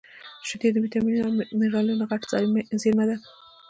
شیدې د ویټامینونو او مینرالونو غټه زېرمه ده